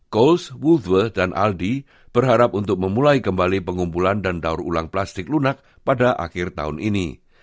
coast wudhu dan aldi berharap untuk memulai kembali pengumpulan dan daur ulang plastik lunak pada akhir tahun ini